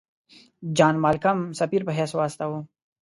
جان مالکم سفیر په حیث واستاوه.